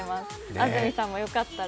安住さんもよかったら。